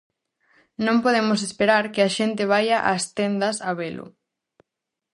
Non podemos esperar que a xente vaia ás tendas a velo.